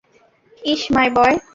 Is my boy!